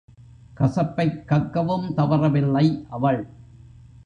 கசப்பைக் கக்கவும் தவறவில்லை அவள்.